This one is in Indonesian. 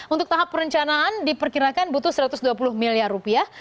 untuk tahap perencanaan diperkirakan butuh satu ratus dua puluh miliar rupiah